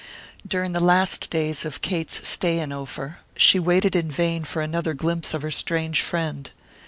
During the last days of Kate's stay in Ophir she watched in vain for another glimpse of her strange friend.